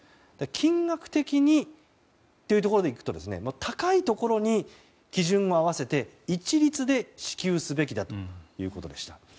金額的にというところでいくと高いところに基準を合わせて一律で支給すべきだということでした。